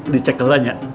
di cek kelelanya